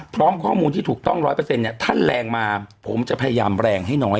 พร้อมข้อมูลที่ถูกต้องร้อยเปอร์เซ็นต์เนี่ยถ้าแรงมาผมจะพยายามแรงให้น้อยหน่อย